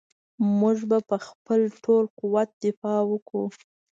موږ به په خپل ټول قوت دفاع وکړو.